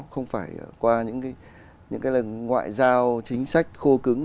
không phải qua những cái ngoại giao chính sách khô cứng